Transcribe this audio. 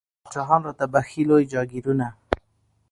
پاچاهان را ته بخښي لوی جاګیرونه